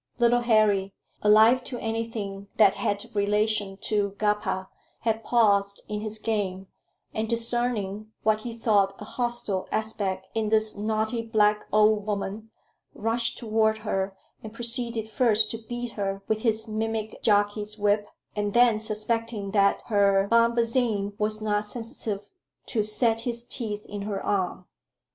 Little Harry, alive to anything that had relation to "Gappa," had paused in his game, and discerning what he thought a hostile aspect in this naughty black old woman, rushed toward her and proceeded first to beat her with his mimic jockey's whip, and then, suspecting that her bombazine was not sensitive, to set his teeth in her arm.